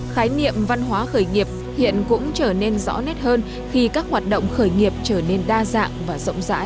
khái niệm văn hóa khởi nghiệp hiện cũng trở nên rõ nét hơn khi các hoạt động khởi nghiệp trở nên đa gia